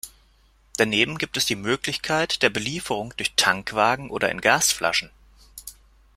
Daneben gibt es die Möglichkeit der Belieferung durch Tankwagen oder in Gasflaschen.